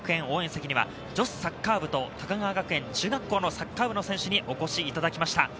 応援席には、女子サッカー部と高川学園中学校のサッカー部の選手にお越しいただきました。